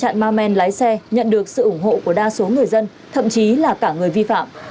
các ma men lái xe nhận được sự ủng hộ của đa số người dân thậm chí là cả người vi phạm